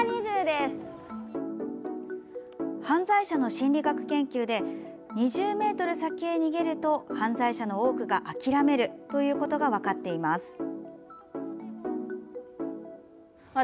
犯罪者の心理学研究で２０ｍ先へ逃げると犯罪者の多くが諦めるということが分かっています。